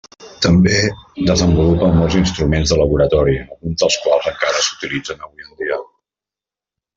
També desenvolupà molts instruments de laboratori, alguns dels quals encara s'utilitzen avui en dia.